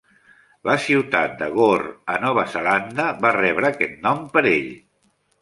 La ciutat de Gore, a Nova Zelanda, va rebre aquest nom per ell.